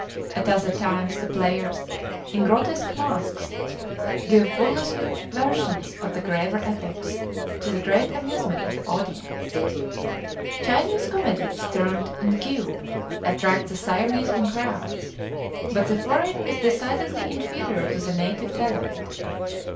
At other times the players, in grotesque masks, give burlesque versions of the graver epics, to the great amusement of the audience. Chinese comedies, termed Ngiu, attract the Siamese in crowds; but the foreign is decidedly inferior to the native talent.